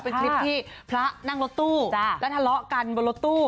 เป็นคลิปที่พระนั่งรถตู้แล้วทะเลาะกันบนรถตู้